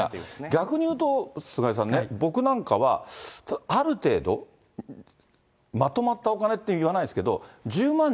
逆にいうとね、菅井さんね、僕なんかは、ある程度、まとまったお金っていわないですけど、１０万、２０万